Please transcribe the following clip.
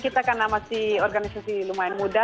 kita karena masih organisasi lumayan muda